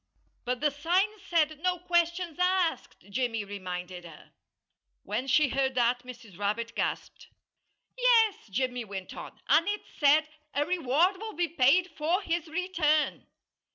"But the sign said 'No questions asked'!" Jimmy reminded her. When she heard that, Mrs. Rabbit gasped. "Yes!" Jimmy went on. "And it said 'A reward will be paid for his return'!"